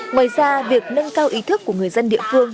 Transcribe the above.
ngoài ra việc nâng cao ý thức của người dân địa phương